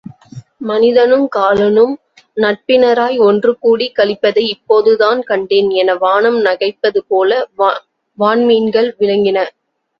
மனிதனுங் காலனும் நட்பினராய் ஒன்று கூடிக் களிப்பதை இப்போதுதான் கண்டேன் என வானம் நகைப்பதுபோல வான்மீன்கள் விளங்கின.